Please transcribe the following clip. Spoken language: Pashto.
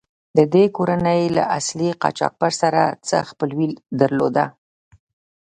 دې کورنۍ له اصلي قاچاقبر سره څه خپلوي درلوده.